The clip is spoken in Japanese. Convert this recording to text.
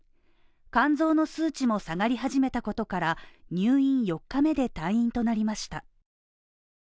肝臓の数値も下がり始めたことから、入院４日目で退院となりました。